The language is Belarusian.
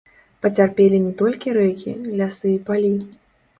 Пацярпелі не толькі рэкі, лясы і палі.